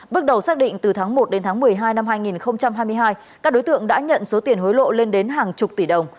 bước đầu xác định từ tháng một đến tháng một mươi hai năm hai nghìn hai mươi hai các đối tượng đã nhận số tiền hối lộ lên đến hàng chục tỷ đồng